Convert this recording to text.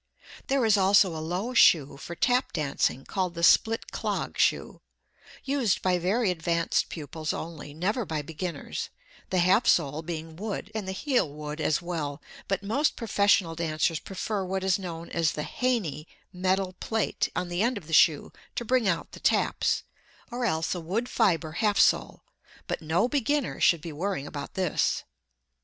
There is also a low show for "Tap" dancing called the "Split clog" shoe, used by very advanced pupils only, never by beginners, the half sole being wood and the heel wood, as well, but most professional dancers prefer what is known as the "Haney" metal plate on the end of the shoe to bring out the "taps," or else a wood fibre half sole, but no beginner should be worrying about this.